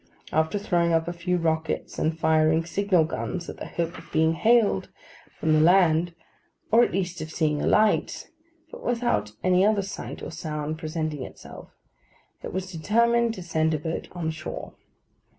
After throwing up a few rockets and firing signal guns in the hope of being hailed from the land, or at least of seeing a light—but without any other sight or sound presenting itself—it was determined to send a boat on shore.